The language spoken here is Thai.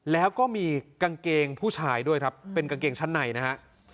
แล้วก็มีกางเกงผู้ชายด้วยครับเป็นกางเกงชั้นในนะฮะ